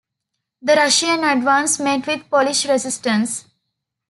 The Russian advance met with Polish resistance.